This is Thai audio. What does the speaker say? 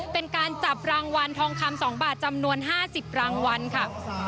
เป็นการจับรางวัลทองคำ๒บาทจำนวน๕๐รางวัลค่ะ